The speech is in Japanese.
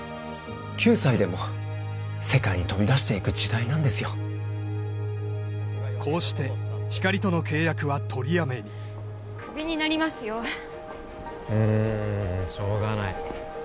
９歳でも世界に飛び出していく時代なんですよこうしてひかりとの契約はとりやめにクビになりますようんしょうがない